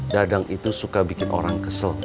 dadang itu suka bikin orang kesel